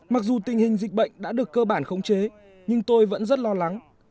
mặc dù tình hình dịch bệnh đã được cơ bản khống chế nhưng tôi vẫn rất lo lắng